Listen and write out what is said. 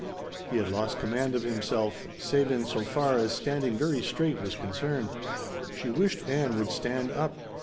He had lost command of himself, save in so far as standing very straight was concerned. She wished Ann would stand up!